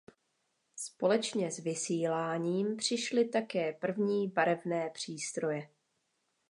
Společně s vysíláním přišly také první barevné přístroje.